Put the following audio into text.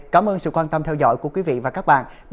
cảm ơn sự quan tâm theo dõi của quý vị và các bạn